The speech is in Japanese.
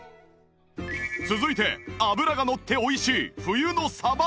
続いて脂がのって美味しい冬のサバ！